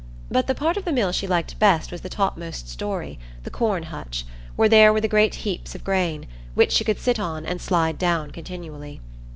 But the part of the mill she liked best was the topmost story,—the corn hutch, where there were the great heaps of grain, which she could sit on and slide down continually.